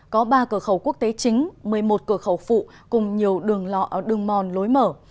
có ba cửa khẩu quốc tế chính một mươi một cửa khẩu phụ cùng nhiều đường lọ đường mòn lối mở